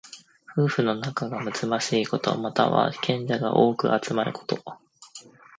夫婦の仲がむつまじいこと。または、賢者が多く集まること。